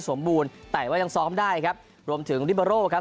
สมบูรณ์แต่ว่ายังซ้อมได้ครับรวมถึงลิเบอร์โร่ครับ